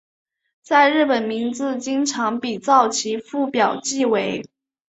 在日本名字经常比照其父表记为。